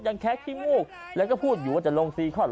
ยังแค๊กที่มูกแล้วก็พูดอยู่ว่าจะลงซีข้อน